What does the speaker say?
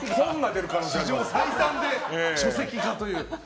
史上最短で書籍化という。